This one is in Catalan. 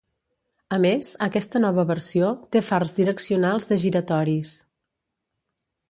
A més, aquesta nova versió té fars direccionals de giratoris.